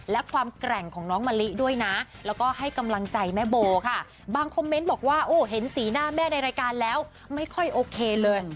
และความแกร่งของน้องมะลิด้วยนะแล้วก็ให้กำลังใจแม่โบค่ะบางคอมเมนต์บอกว่าโอ้เห็นสีหน้าแม่ในรายการแล้วไม่ค่อยโอเคเลย